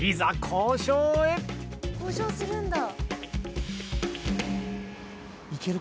交渉するんだ！